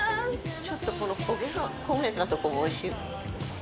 ちょっとこの焦げが焦げたとこがおいしい。